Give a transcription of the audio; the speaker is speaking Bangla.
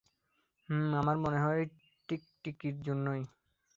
হুম, আমার মনে হয় টিকটিকির জন্যই।